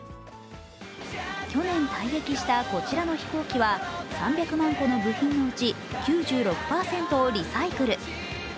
去年退役したこちらの飛行機は、３００万個の部品のうち、９６％をリサイクル。